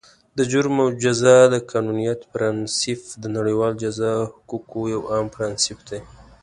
د جرم او جزا د قانونیت پرانسیپ، د نړیوالو جزا حقوقو یو عام پرانسیپ دی.